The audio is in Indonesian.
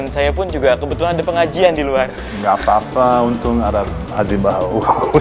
saya sangat berharap kita bisa berbicara lebih lama